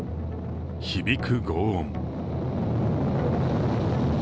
響くごう音。